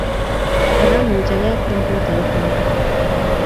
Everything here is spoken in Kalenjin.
ma amuch ayaat kompyutaitnyu